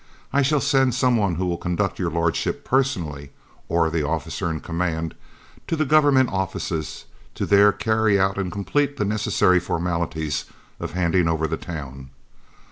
I shall send some one who will conduct Your Lordship personally (or the officer in command) to the Government offices to there carry out and complete the necessary formalities of handing over the town.